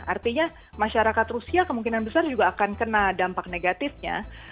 artinya masyarakat rusia kemungkinan besar juga akan kena dampak negatifnya